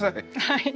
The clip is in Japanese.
はい。